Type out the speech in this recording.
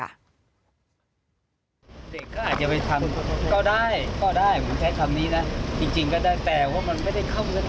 มันไม่ใช่เพราะเราเองคือกรมพฤติต้องทำตามที่สารสั่ง